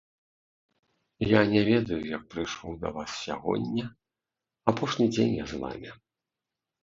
Я не ведаю, як прыйшоў да вас сягоння, апошні дзень я з вамі.